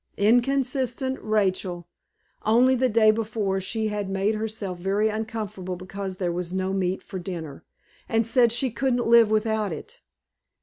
Inconsistent Rachel! Only the day before she had made herself very uncomfortable because there was no meat for dinner, and said she couldn't live without it.